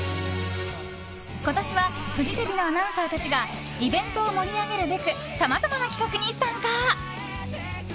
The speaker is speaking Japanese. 今年はフジテレビのアナウンサーたちがイベントを盛り上げるべくさまざまな企画に参加。